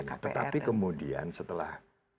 tetapi kemudian setelah